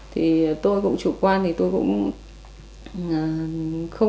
thì tôi cũng chủ quan tôi cũng không trích thôi